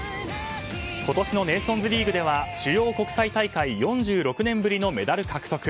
今年のネーションズリーグでは主要国際大会４６年ぶりのメダル獲得。